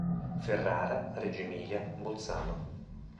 Ferrara, Reggio Emilia, Bolzano.